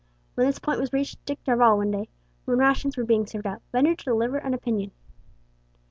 When this point was reached Dick Darvall one day, when rations were being served out, ventured to deliver an opinion.